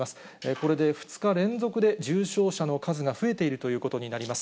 これで２日連続で重症者の数が増えているということになります。